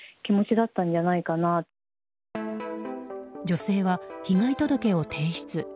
女性は被害届を提出。